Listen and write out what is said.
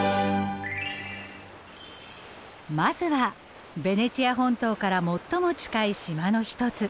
まずはベネチア本島から最も近い島の一つ